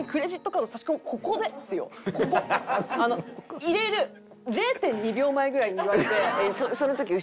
ホントに入れる０．２秒前ぐらいに言われて。